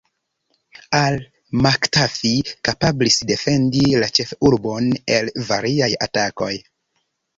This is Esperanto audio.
Al-Muktafi kapablis defendi la ĉefurbon el variaj atakoj.